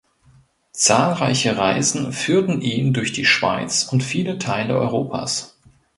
Zahlreiche Reisen führten ihn durch die Schweiz und viele Teile Europas.